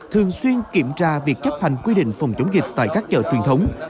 thường xuyên kiểm tra việc chấp hành quy định phòng chống dịch tại các chợ truyền thống